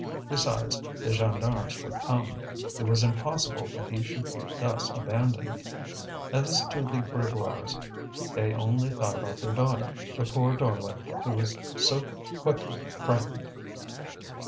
Besides, the gendarmes would come; it was impossible that he should be thus abandoned. As to the Grégoires, they only thought about their daughter, the poor darling who was so quickly frightened!